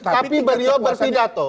tapi beliau berpidato